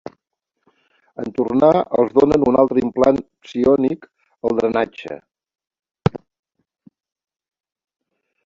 En tornar, els donen un altre implant psiònic, el drenatge.